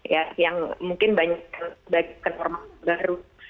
yang mungkin banyak bagikan orang baru